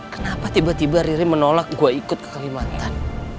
kenapa tiba tiba riri menolak gue ikut ke kalimantan